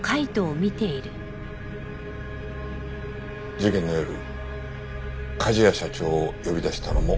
事件の夜梶谷社長を呼び出したのもお前だな？